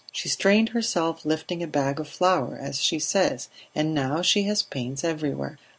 "She strained herself lifting a bag of flour, as she says; and now she has pains everywhere.